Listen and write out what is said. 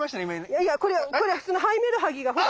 いやいやこれはこれはそのハイメドハギがほら。